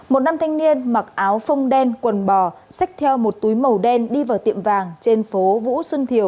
một nam thanh niên mặc áo phông đen quần bò xách theo một túi màu đen đi vào tiệm vàng trên phố vũ xuân thiều